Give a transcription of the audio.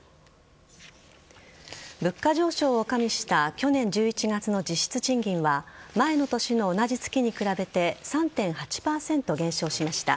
物価上昇を加味した去年１１月の実質賃金は前の年の同じ月に比べて３．８％減少しました。